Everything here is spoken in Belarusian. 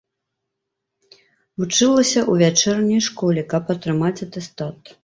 Вучылася ў вячэрняй школе, каб атрымаць атэстат.